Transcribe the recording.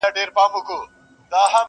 o پټه خوله اقرار دئ!